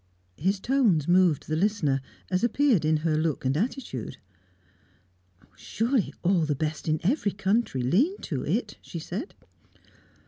His tones moved the listener, as appeared in her look and attitude. "Surely all the best in every country lean to it," she said.